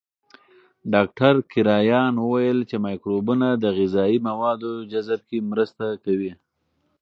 ډاکټر کرایان وویل چې مایکروبونه د غذایي موادو جذب کې مرسته کوي.